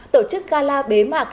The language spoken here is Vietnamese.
tổ chức gala bế mạc